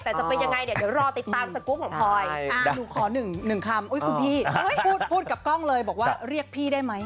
แต่จะเป็นยังไงเดี๋ยวรอติดตามสกุปของพอยขอหนึ่งหนึ่งคำพูดพูดกับกล้องเลยบอกว่าเรียกพี่ได้ไหม